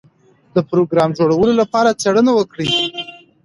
د پروګرام جوړولو لپاره څېړنه وکړئ.